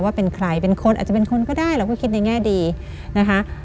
ว่าเป็นใครเป็นคนอาจจะเป็นคนก็ได้เราก็คิดในแง่ดีนะคะ